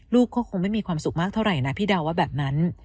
ลูกก็คงไม่มีความสุขมากเท่าไหร่นะพี่ดาวว่าแบบนั้น